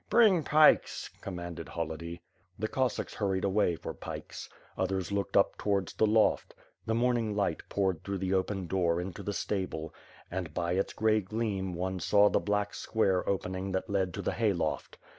"Bring pikes," commanded Holody. The Cossacks hurried away for pikes. Others looked up towards the loft. The morning light poured through the open door into the stable and, by its gray gleam, one saw the black square opening that led to the hayloft.